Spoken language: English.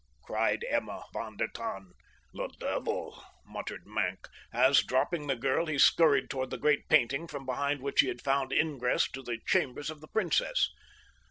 cried Emma von der Tann. "The devil!" muttered Maenck, as, dropping the girl, he scurried toward the great painting from behind which he had found ingress to the chambers of the princess.